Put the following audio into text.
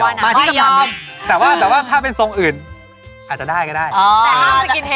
ก็ต้องหลงทองต้องเจอกันหน่อยครับ